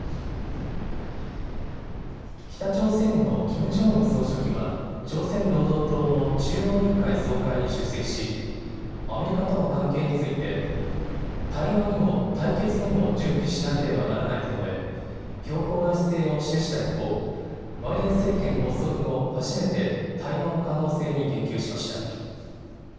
北朝鮮のキム・ジョンウン総書記は朝鮮労働党の中央委員会総会に出席しアメリカとの関係について対話にも対決にも準備しなければならないと述べ、強硬な姿勢を示した一方、バイデン政権発足後、初めて対話の可能性に言及しました。